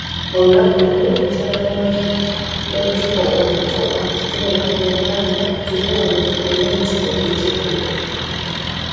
Olunaku lumu, mukyala wa Lodipo omuto, Akitela, yagamba, tuve wano tugende mu kitundu eky'eddembe.